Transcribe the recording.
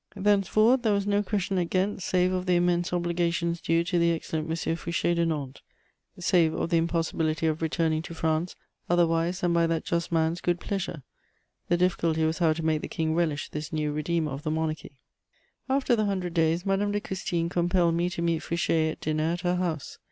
Thenceforward, there was no question at Ghent save of the immense obligations due to the excellent M. Fouché de Nantes, save of the impossibility of returning to France otherwise than by that just man's good pleasure: the difficulty was how to make the King relish this new redeemer of the Monarchy. After the Hundred Days, Madame de Custine compelled me to meet Fouché at dinner at her house.